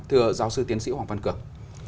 thưa giáo sư tiến sĩ hoàng văn cường